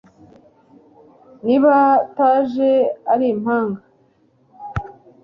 n'abataje ari impanga